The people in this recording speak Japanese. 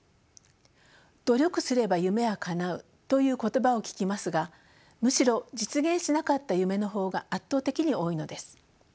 「努力すれば夢はかなう」という言葉を聞きますがむしろ実現しなかった夢の方が圧倒的に多いのです。